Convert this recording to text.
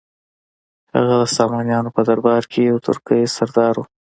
هغه د سامانیانو په درباره کې یو ترکي سردار و.